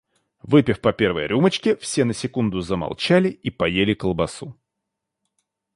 Выпив по первой рюмочке, все на секунду замолчали и поели колбасу.